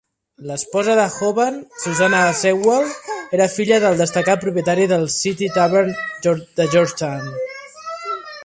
L'esposa de Hoban, Susanna Sewall, era filla del destacat propietari del City Tavern de Georgetown.